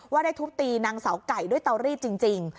ได้ทุบตีนางเสาไก่ด้วยเตารีดจริง